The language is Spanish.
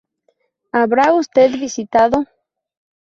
¿Habrá usted visitado?